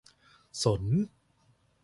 สน